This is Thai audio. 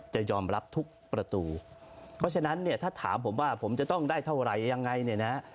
จะยอมรับทุกประตูเพราะฉะนั้นเนี่ยถ้าถามผมว่าผมจะต้องได้เท่าไหร่ยังไงเนี่ยนะ